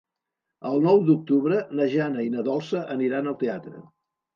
El nou d'octubre na Jana i na Dolça aniran al teatre.